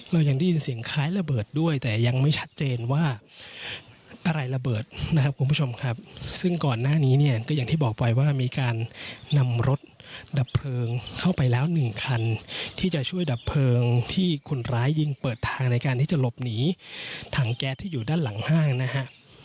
เรายังได้ยินเสียงคล้ายระเบิดด้วยแต่ยังไม่ชัดเจนว่าอะไรระเบิดนะครับคุณผู้ชมครับซึ่งก่อนหน้านี้เนี่ยก็อย่างที่บอกไปว่ามีการนำรถดับเพลิงเข้าไปแล้วหนึ่งคันที่จะช่วยดับเพลิงที่คนร้ายยิงเปิดทางในการที่จะหลบหนีถังแก๊สที่อยู่ด้านหลังห้างนะฮะ